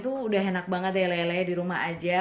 tuh udah enak banget deh lele di rumah aja